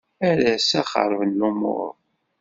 Ar assa xerben lumuṛ.